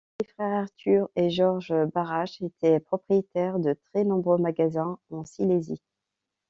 Les frères Artur et Georg Barasch étaient propriétaires de très nombreux magasins en Silésie.